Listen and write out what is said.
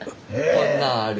「こんなんある。